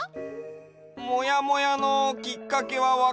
モヤモヤのきっかけはわかる？